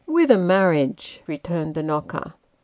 " With a marriage," returned the knocker.